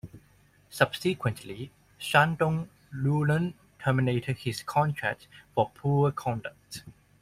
Subsequently, Shandong Luneng terminated his contract for poor conduct.